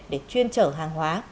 để chuyên trở hàng hóa